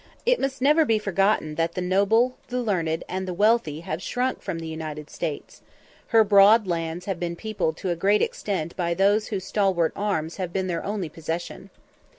It must never be forgotten that the noble, the learned, and the wealthy have shrunk from the United States; her broad lands have been peopled to a great extent by those whose stalwart arms have been their only possession.